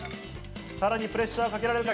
さらにプレッシャーをかけられるか？